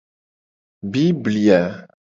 Biblia.